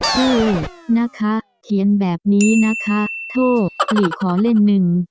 เออนะคะเขียนแบบนี้นะคะโทษหลีขอเล่นหนึ่ง